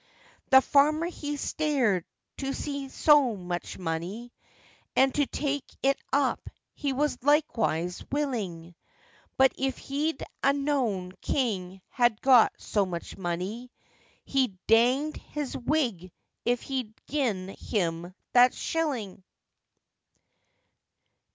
The farmer he stared to see so much money, And to take it up he was likewise willing; But if he'd a known King had got so much money, He danged his wig if he'd gien him that shilling!